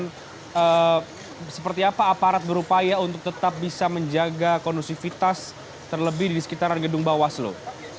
dan seperti apa aparat berupaya untuk tetap bisa menjaga kondusivitas terlebih di sekitaran gedung bawah selu